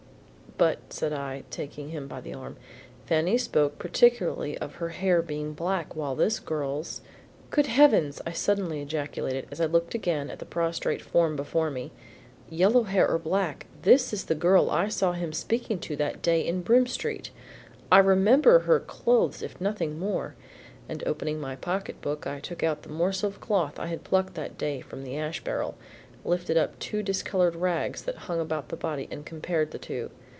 "But," said I, taking him by the arm, "Fanny spoke particularly of her hair being black, while this girl's Good heavens!" I suddenly ejaculated as I looked again at the prostrate form before me. "Yellow hair or black, this is the girl I saw him speaking to that day in Broome Street. I remember her clothes if nothing more." And opening my pocketbook, I took out the morsel of cloth I had plucked that day from the ash barrel, lifted up the discolored rags that hung about the body and compared the two.